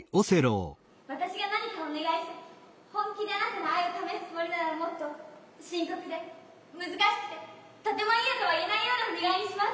私が何かお願いして本気であなたの愛を試すつもりならもっと深刻で難しくてとても嫌とは言えないようなお願いにします。